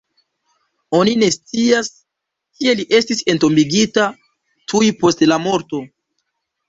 Oni ne scias, kie li estis entombigita tuj post la morto.